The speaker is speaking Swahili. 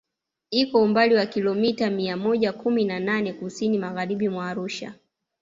Iko umbali wa kilomita mia moja kumi na nane Kusini Magharibi mwa Arusha